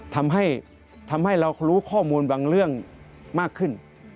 ทำให้เรารู้ข้อมูลบางเรื่องมากขึ้น